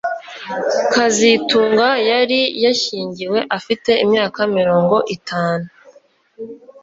kazitunga yashyingiwe afite imyaka mirongo itanu